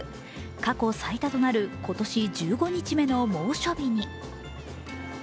過去最多となる今年１５日目の猛暑日に。